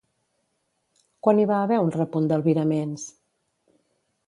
Quan hi va haver un repunt d'albiraments?